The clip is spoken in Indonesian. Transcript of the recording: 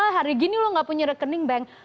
hari gini lo nggak punya rekening bank